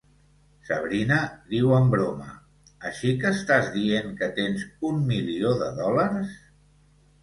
Sabrina diu en broma "Així que estàs dient que tens un milió de dòlars?"